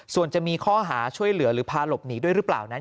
ส่วนจะมีข้อหาช่วยเหลือหรือพาหลบหนีด้วยหรือเปล่านั้น